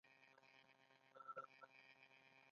ورزش د بدن له دننه ځواکمنوي.